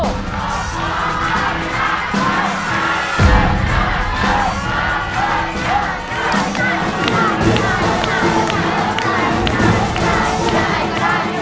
กะตายต้าสีชมพู